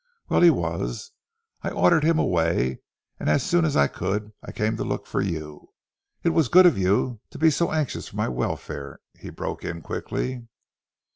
Well, he was, and I ordered him away, and as soon as I could I came to look for you " "It was good of you to be so anxious for my welfare," he broke in quickly.